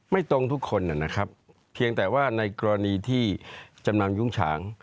ไม่ตรงทุกคนนะครับเพียงแต่ว่าในกรณีที่จำนำยุ้งฉาง